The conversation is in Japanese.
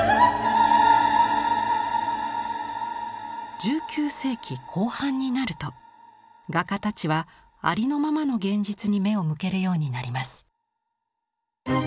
１９世紀後半になると画家たちはありのままの現実に目を向けるようになります。